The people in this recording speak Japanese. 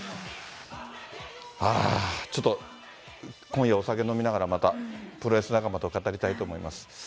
ああ、ちょっと、今夜お酒飲みながら、また、プロレス仲間と語りたいと思います。